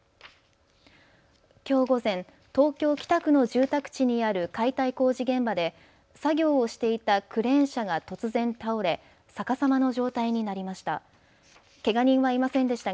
きょう午前、東京北区の住宅地にある解体工事現場で作業をしていたクレーン車が突然倒れ、逆さまの状態になりました。